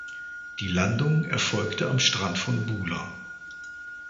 Die Landung erfolgte am Strand von Bula.